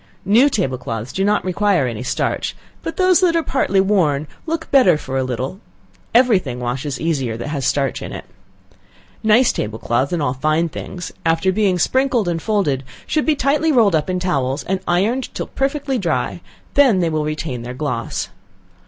New table cloths do not require any starch, but those that are partly worn look better for a little, every thing washes easier that has starch in. Nice table cloths, and all fine things, after being sprinkled and folded, should be tightly rolled up in towels, and ironed till perfectly dry, they will then retain their gloss.